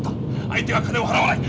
相手は金を払わない。